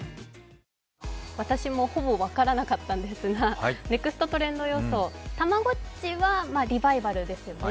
私もほぼ分からなかったんですが、ネクストトレンド予想、たまごっちはリバイバルですよね。